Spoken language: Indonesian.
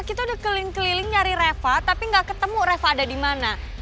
kita udah keliling keliling nyari reva tapi nggak ketemu reva ada di mana